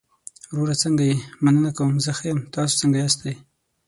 وروره څنګه يې؟ مننه کوم، زه ښۀ يم، تاسو څنګه ياستى؟